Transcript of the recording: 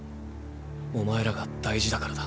お前らが大事だからだ。